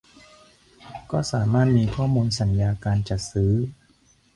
ก็สามารถมีข้อมูลสัญญาการจัดซื้อ